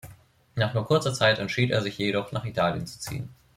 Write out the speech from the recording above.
Nach nur kurzer Zeit entschied er sich jedoch, nach Italien zu ziehen.